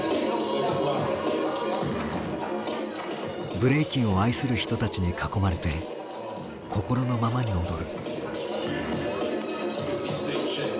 ブレイキンを愛する人たちに囲まれて心のままに踊る。